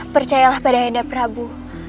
percayalah pada henda prabu